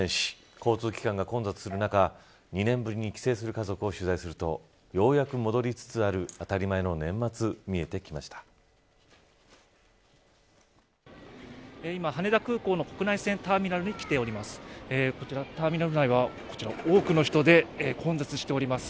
交通機関が混雑する中２年ぶりに帰省する家族を取材するとようやく戻りつつある当たり前の年末が今、羽田空港の国内線ターミナルに来ております。